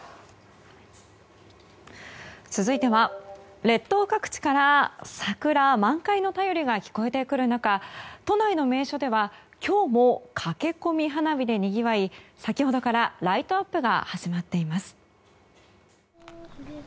続いては列島各地から桜満開の便りが聞こえてくる中、都内の名所では今日も駆け込み花見でにぎわい先ほどからライトアップが始まっています。